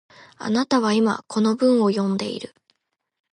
あなたは今、この文を読んでいる